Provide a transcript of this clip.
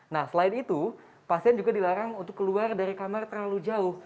nah selain itu pasien juga dilarang untuk keluar dari kamar terlalu jauh